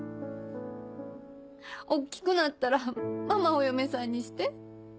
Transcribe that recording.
大っきくなったらママお嫁さんにして。